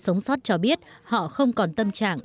sống sót cho biết họ không còn tâm trạng